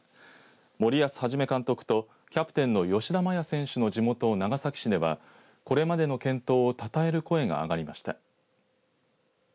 森保一監督とキャプテンの吉田麻也選手の地元長崎市ではこれまでの健闘をたたえる声が上がりました。